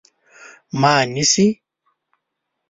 _ما نيسئ؟